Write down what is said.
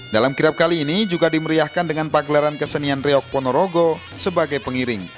dalam kirap kali ini juga dimeriahkan dengan pagelaran kesenian riok ponorogo sebagai pengiring